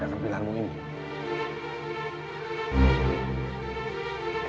dengan pilihanmu ini